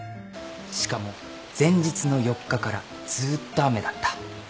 しかも前日の４日からずっと雨だった。